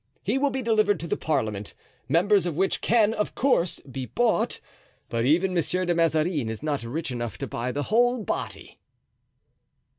He will be delivered to the parliament, members of which can, of course, be bought, but even Monsieur de Mazarin is not rich enough to buy the whole body."